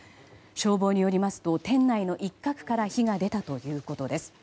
消防によりますと店内の一角から火が出たということです。